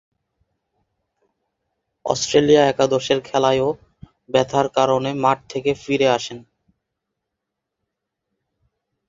Australia একাদশের খেলায়ও ব্যথার কারণে মাঠ থেকে ফিরে আসেন।